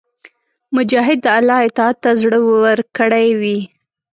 مجاهد د الله اطاعت ته زړه ورکړی وي.